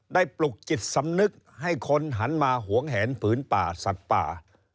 ปลุกจิตสำนึกให้คนหันมาหวงแหนผืนป่าสัตว์ป่า